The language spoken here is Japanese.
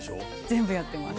全部やってます。